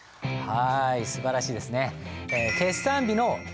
はいすばらしいですね。